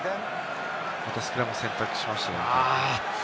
またスクラムを選択しましたよね。